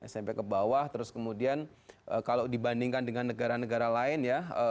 smp ke bawah terus kemudian kalau dibandingkan dengan negara negara lain ya